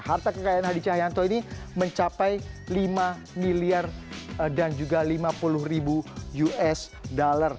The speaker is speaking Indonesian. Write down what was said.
harta kekayaan hadi cahyanto ini mencapai lima miliar dan juga lima puluh ribu usd